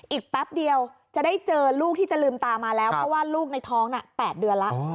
แป๊บเดียวจะได้เจอลูกที่จะลืมตามาแล้วเพราะว่าลูกในท้องน่ะ๘เดือนแล้ว